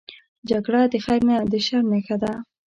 جګړه د خیر نه، د شر نښه ده